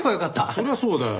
そりゃそうだよ。